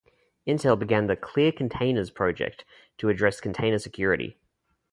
Intel began the "Clear Containers" project to address container security.